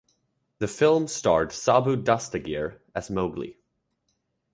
The film starred Sabu Dastagir as Mowgli.